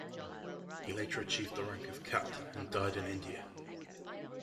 He later achieved the rank of captain and died in India.